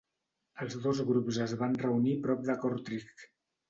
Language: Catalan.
Els dos grups es van reunir prop de Kortrijk.